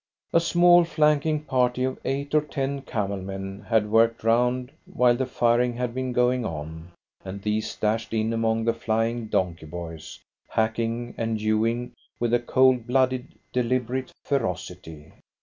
A small flanking party of eight or ten camel men had worked round while the firing had been going on, and these dashed in among the flying donkey boys, hacking and hewing with a cold blooded, deliberate ferocity.